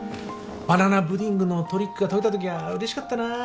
バナナプディングのトリックが解けたときはうれしかったなぁ。